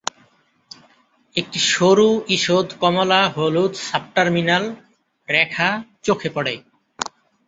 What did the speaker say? একটি সরু ইষদ কমলা হলুদ সাবটার্মিনাল রেখা চোখে পড়ে।